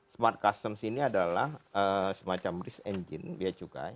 smart customs ini adalah semacam risk engine biaya cukai